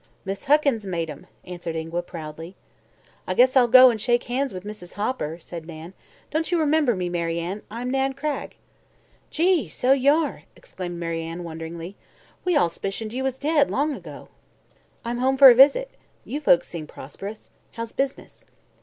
"Miss Huckins made 'em," answered Ingua proudly. "I guess I'll go and shake hands with Mrs. Hopper," said Nan. "Don't you remember me, Mary Ann? I'm Nan Cragg." "Gee! so y'are," exclaimed Mary Ann wonderingly. "We all 'spicioned you was dead, long ago." "I'm home for a visit. You folks seem prosperous. How's business?"